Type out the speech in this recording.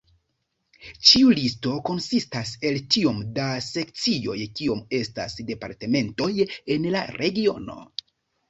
Ĉiu listo konsistas el tiom da sekcioj kiom estas departementoj en la regiono.